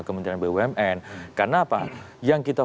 kementerian bumn karena apa yang kita